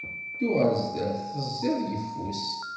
Ddu ɣer sdat, tezziḍ yeffus.